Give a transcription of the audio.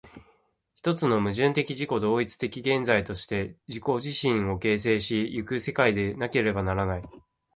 一つの矛盾的自己同一的現在として自己自身を形成し行く世界でなければならない。